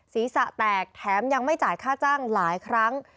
ศีรษะแตกแถมยังไม่จ่ายค่าจ้างหลายครั้ง